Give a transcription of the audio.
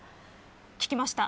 聞きました。